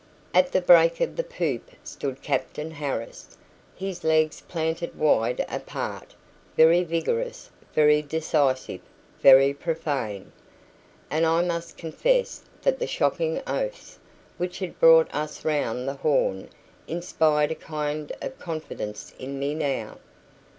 At the break of the poop stood Captain Harris, his legs planted wide apart, very vigorous, very decisive, very profane. And I must confess that the shocking oaths which had brought us round the Horn inspired a kind of confidence in me now.